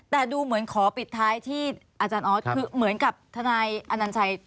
แต่ดูเหมือนขอปิดท้ายที่อาจารย์ออสคือเหมือนกับทนายอนัญชัย